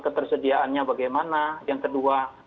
ketersediaannya bagaimana yang kedua